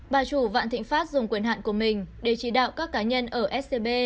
bà chủ vạn thịnh pháp dùng quyền hạn của mình để chỉ đạo các cá nhân ở scb